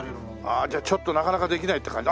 あじゃあちょっとなかなかできないって感じ。